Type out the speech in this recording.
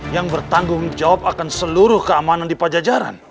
yang bertanggung jawab akan seluruh keamanan di pajajaran